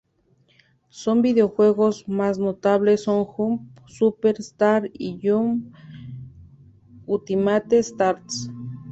Sus videojuegos más notables son Jump Super Stars y Jump Ultimate Stars.